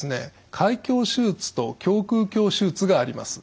開胸手術と胸腔鏡手術があります。